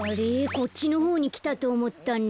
こっちのほうにきたとおもったんだけど。